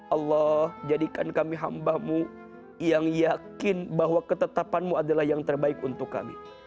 allah jadikan kami hambamu yang yakin bahwa ketetapanmu adalah yang terbaik untuk kami